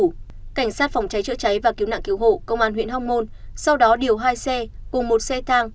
cảnh sát phòng cháy chữa cháy và cứu nạn cứu hộ công an huyện hóc môn sau đó điều hai xe cùng một xe thang